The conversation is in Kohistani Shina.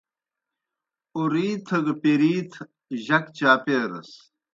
اوْرِیتھ گہ پیرِیتھ جک چاپیرَس۔